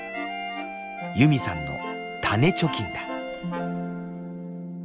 ユミさんの「種貯金」だ。